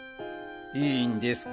いいんですか？